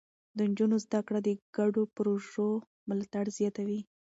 د نجونو زده کړه د ګډو پروژو ملاتړ زياتوي.